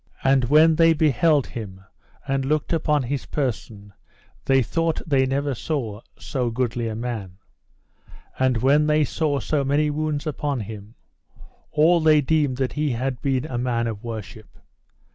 And when they beheld him and looked upon his person, they thought they saw never so goodly a man. And when they saw so many wounds upon him, all they deemed that he had been a man of worship.